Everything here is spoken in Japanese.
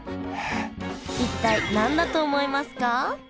一体何だと思いますか？